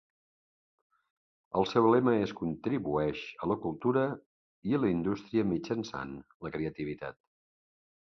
El seu lema és "Contribueix a la cultura i la indústria mitjançant la creativitat".